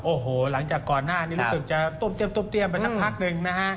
โอ้โหหลังจากก่อนหน้านี้รู้สึกจะต้มเตี้ยมไปสักพักหนึ่งนะฮะ